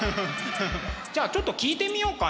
じゃあちょっと聞いてみようかな。